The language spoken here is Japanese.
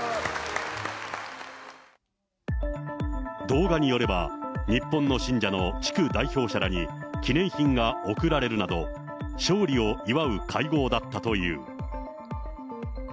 動画によれば、日本の信者の地区代表者らに記念品が贈られるなど、勝利を祝う会合だったという。